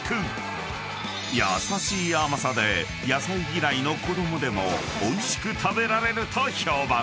［野菜嫌いの子供でもおいしく食べられると評判］